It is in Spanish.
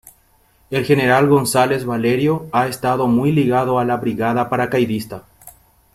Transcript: El general González-Valerio ha estado muy ligado a la Brigada Paracaidista.